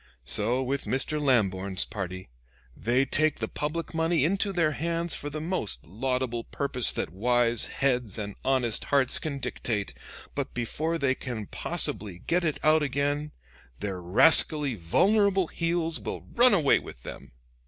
So with Mr. Lamborn's party they take the public money into their hands for the most laudable purpose that wise heads and honest hearts can dictate; but before they can possibly get it out again, their rascally vulnerable heels will run away with them."